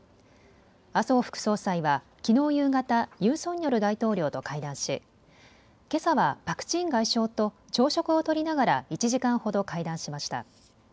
麻生副総裁はきのう夕方、ユン・ソンニョル大統領と会談しけさはパク・チン外相と朝食をとりながら１時間ほど会談しました。